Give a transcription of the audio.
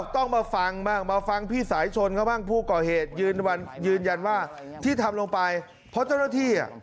ต้องมาฟังบ้างมาฟังพี่สายชนเขาบ้างผู้ก่อเหตุยืนยันยืนยันว่าที่ทำลงไปเพราะเจ้าหน้าที่อ่ะ